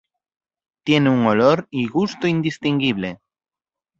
Tiene un olor y gusto indistinguible.